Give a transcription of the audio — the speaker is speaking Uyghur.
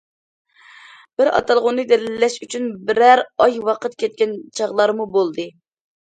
بىر ئاتالغۇنى دەلىللەش ئۈچۈن بىرەر ئاي ۋاقىت كەتكەن چاغلارمۇ بولدى.